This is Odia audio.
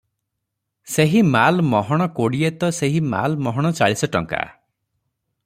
ସେହି ମାଲ ମହଣ କୋଡ଼ିଏ ତ 'ସେହି ମାଲ ମହଣ ଚାଳିଶ ଟଙ୍କା ।